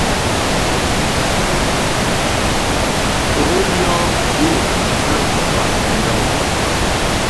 Ó yɔ́ gó' nə fa' yəŋ.